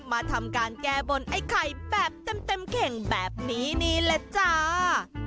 มาทำการแก้บนไอ้ไข่แบบเต็มเข่งแบบนี้นี่แหละจ้า